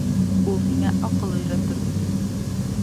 Ул һиңә аҡыл өйрәтер.